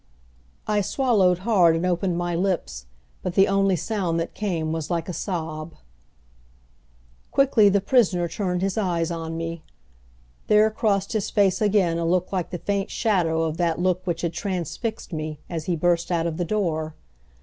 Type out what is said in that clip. I swallowed hard and opened my lips, but the only sound that came was like a sob. Quickly the prisoner turned his eyes on me. There crossed his face again a look like the faint shadow of that look which had transfixed me, as he burst out of the door.